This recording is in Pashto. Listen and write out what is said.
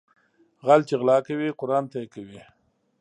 غل چې غلا کوي قرآن ته يې کوي